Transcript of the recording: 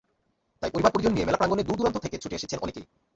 তাই পরিবার পরিজন নিয়ে মেলা প্রাঙ্গণে দূর-দূরান্ত থেকে ছুটে এসেছেন অনেকেই।